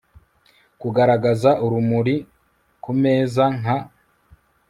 Kugaragaza urumuri kumeza nk